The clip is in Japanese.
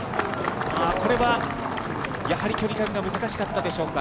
これはやはり距離感が難しかったでしょうか。